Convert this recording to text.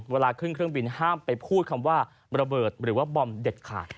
เวลาขึ้นเครื่องบินห้ามไปพูดคำว่าระเบิดหรือว่าบอมเด็ดขาด